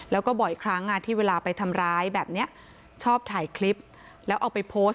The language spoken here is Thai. แล้วก็บ่อยครั้งที่เวลาไปทำร้ายแบบนี้ชอบถ่ายคลิปแล้วเอาไปโพสต์